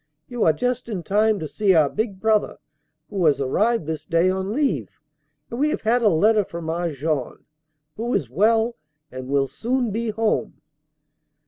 You are just in time to see our big brother who has arrived this day on leave, and we have had a letter from our Jean, who is well and will soon be home!"